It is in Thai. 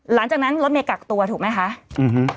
หลังจากนั้นรถเมย์กักตัวถูกไหมคะอืม